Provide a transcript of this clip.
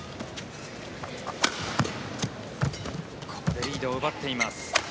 ここでリードを奪っています。